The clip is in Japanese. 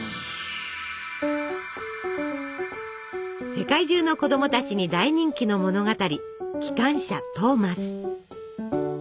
世界中の子供たちに大人気の物語「きかんしゃトーマス」。